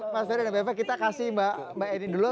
mas ferry dan mbak eva kita kasih mbak edi dulu